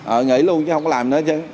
ờ nghĩ luôn chứ không có làm nữa chứ